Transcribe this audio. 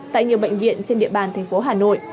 tại nhiều bệnh viện trên địa bàn thành phố hà nội